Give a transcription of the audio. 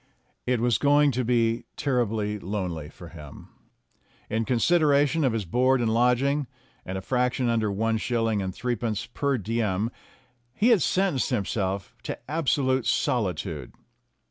It was going to be terribly lonely for him. In con sideration of his board and lodging, and a fraction under one shilling and threepence per diem, he had sentenced himself to absolute solitude.